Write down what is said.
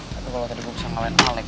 tapi kalau tadi gue bisa kalahin alex